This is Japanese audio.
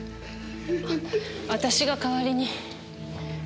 私が代わりに。